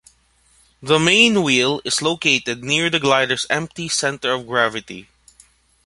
The main wheel is located near the glider's empty centre of gravity.